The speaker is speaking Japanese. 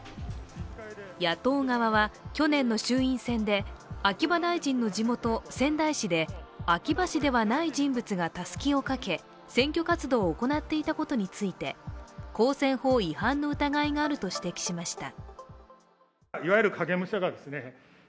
野党側は、去年の衆院選で秋葉大臣の地元・仙台市で秋葉氏ではない人物がたすきをかけ選挙活動を行っていたことについて、公選法違反の疑いがあると指摘しました。